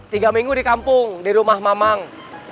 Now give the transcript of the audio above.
tiga minggu di kampung di rumah mamang